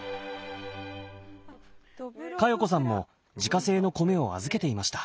加代子さんも自家製の米を預けていました。